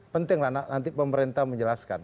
pentinglah nanti pemerintah menjelaskan